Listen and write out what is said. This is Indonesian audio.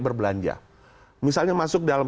berbelanja misalnya masuk dalam